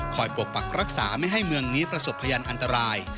ปกปักรักษาไม่ให้เมืองนี้ประสบพยานอันตราย